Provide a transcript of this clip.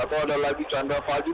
atau ada lagi chandra faly